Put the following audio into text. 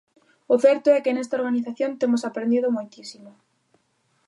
O certo é que nesta organización temos aprendido moitísimo.